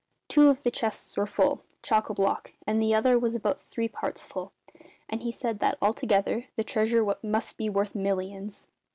Two of the chests were full, chock a block, and the other was about three parts full; and he said that, altogether, the treasure must be worth millions!